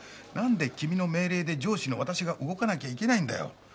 なんで君の命令で上司の私が動かなきゃいけないんだよ。